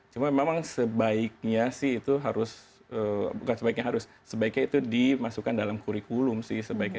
cuma memang sebaiknya sih itu harus bukan sebaiknya harus sebaiknya itu dimasukkan dalam kurikulum sih sebaiknya